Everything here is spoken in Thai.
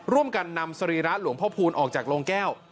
ร่วมกันนำสรีระหลวงพ่อพูนออกจากโรงแก้ว